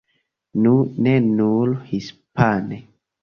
Nu ne nur hispane.